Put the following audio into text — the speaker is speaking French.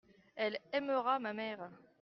elle aimera ma mère.